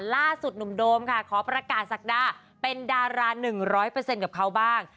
ล่าสุดหนุ่มโดมค่ะขอประกาศศักดาเป็นดารา๑๐๐กับเขาบ้าง